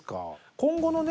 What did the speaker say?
今後のね